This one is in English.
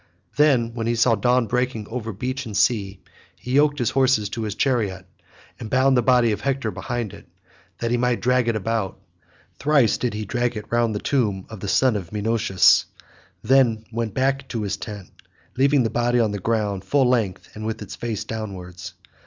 Then, when he saw dawn breaking over beach and sea, he yoked his horses to his chariot, and bound the body of Hector behind it that he might drag it about. Thrice did he drag it round the tomb of the son of Menoetius, and then went back into his tent, leaving the body on the ground full length and with its face downwards.